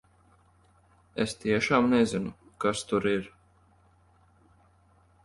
Es tiešām nezinu, kas tur ir!